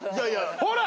ほら！